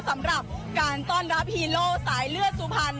สำหรับการต้อนรับฮีโร่สายเลือดสุพรรณ